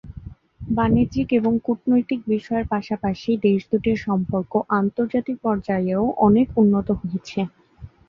বাণিজ্যিক এবং কূটনৈতিক বিষয়ের পাশাপাশি দেশ দুটির সম্পর্ক আন্তর্জাতিক পর্যায়েও অনেক উন্নত হয়েছে।